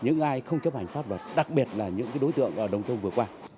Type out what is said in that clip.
nhưng ai không chấp hành pháp luật đặc biệt là những đối tượng ở đồng thông vừa qua